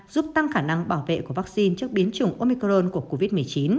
giúp tăng khả năng bảo vệ của vắc xin trước biến chủng omicron của covid một mươi chín